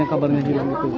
yang kabarnya jilat gitu